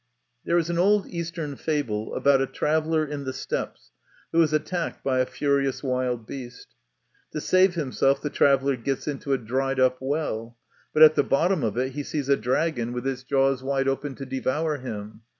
There is an old Eastern fable about a traveller in the steppes who is attacked by a furious wild beast. To save himself the traveller gets into a dried up well ; but at the bottom of it he sees a dragon with its jaws My confession. 33 wide open to devour him.